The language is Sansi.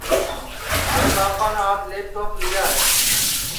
مھارے ٻاپان آج لیپ ٹوپ لیا ہے